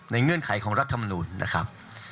เงื่อนไขของรัฐมนุนนะครับ